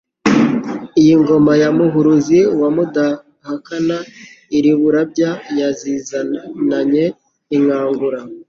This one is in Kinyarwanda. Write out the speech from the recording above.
Iyi ngoma ya Muhuruzi wa Mudahakana, iIz'i Burabya yazizananye inkangura,